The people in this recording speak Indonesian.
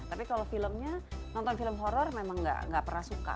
tapi kalau filmnya nonton film horror memang gak pernah suka